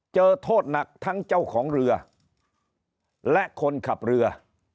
เจอโทษหนักทั้งเจ้าของเรือและคนขับเรือ